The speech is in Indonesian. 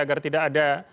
agar tidak ada